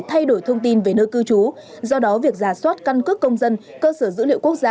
thay đổi thông tin về nơi cư trú do đó việc giả soát căn cước công dân cơ sở dữ liệu quốc gia